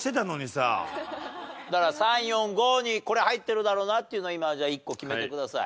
だから３４５にこれ入ってるだろうなというのを今１個決めてください。